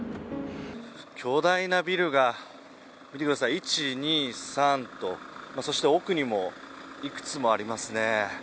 巨大なビルが見てください、１、２、３とそして奥にもいくつもありますね。